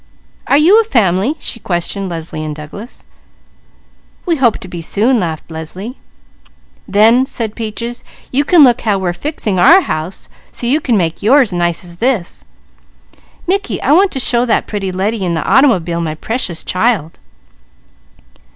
Are you a fam'ly?" she questioned Leslie and Douglas. "We hope to be soon," laughed Leslie. "Then," said Peaches, "you can look how we're fixing our house so you can make yours nice as this. Mickey, I want to show that pretty lady in the auto'bile my Precious Child."